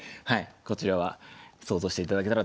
こちらは想像して頂けたらと思います。